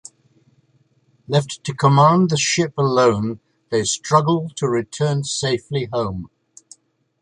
Left to command the ship alone, they struggle to return safely home.